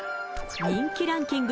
人気ランキング